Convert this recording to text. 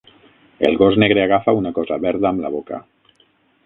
El gos negre agafa una cosa verda amb la boca.